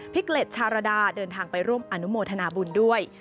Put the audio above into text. เกล็ดชารดาเดินทางไปร่วมอนุโมทนาบุญด้วย